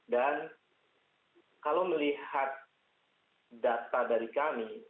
dan kalau melihat data dari kami